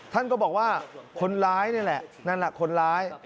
ท่านก็บอกว่าคนร้ายนี่แหละนั่นแหละคนร้าย